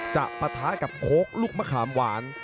ปะทะกับโค้กลูกมะขามหวาน